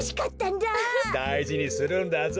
だいじにするんだぞ。